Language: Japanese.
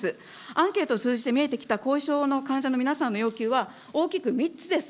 アンケートを通じて見えてきた後遺症の患者の皆さんの要求は、大きく３つです。